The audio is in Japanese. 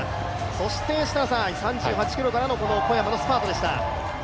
そして、３８ｋｍからの小山のスパートでした。